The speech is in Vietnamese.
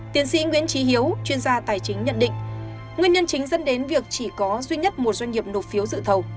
tiến sĩ nguyễn trí hiếu chuyên gia tài chính nhận định nguyên nhân chính dẫn đến việc chỉ có duy nhất một doanh nghiệp nộp phiếu dự thầu